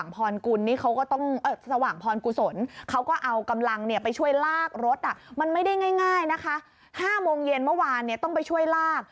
๕โมงเย็นเมื่อวานต้องไปช่วยลาก